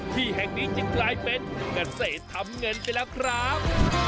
ที่แห่งนี้จึงกลายเป็นเกษตรทำเงินไปแล้วครับ